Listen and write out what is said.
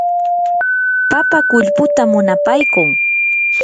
papa qullputa munapaykuu.